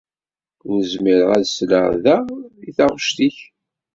Ur zmireɣ ad sleɣ daɣ i taɣect-ik.